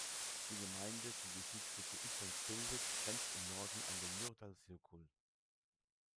Die Gemeinde, die die Südspitze Islands bildet, grenzt im Norden an den Mýrdalsjökull.